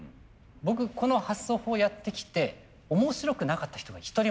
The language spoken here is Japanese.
僕この発想法やってきて面白くなかった人が一人もいないんですよ。